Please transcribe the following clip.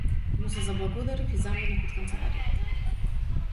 Му се заблагодарив и заминав од канцеларијата.